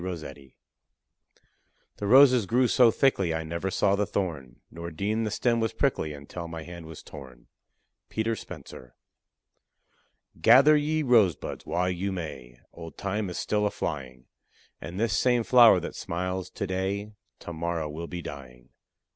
ROSSETTI. The roses grew so thickly, I never saw the thorn, Nor deemed the stem was prickly until my hand was torn. PETER SPENCER. Gather ye rosebuds while you may, Old Time is still a flying; And this same flower that smiles to day To morrow will be dying.